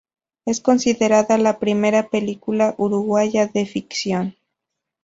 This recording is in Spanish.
Es considerada la primera película uruguaya de ficción.